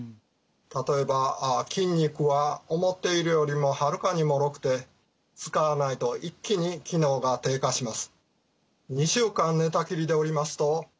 例えば筋肉は思っているよりもはるかにもろくて使わないと一気に機能が低下します。